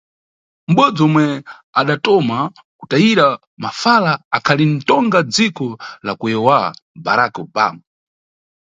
Mʼbodzi omwe adatoma kutayira mafala akhali ntonga dziko la ku EUA, Barack Obama.